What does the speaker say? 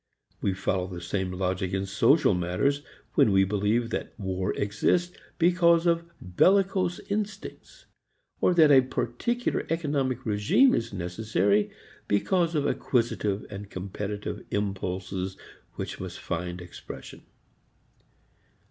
We follow the same logic in social matters when we believe that war exists because of bellicose instincts; or that a particular economic regime is necessary because of acquisitive and competitive impulses which must find expression.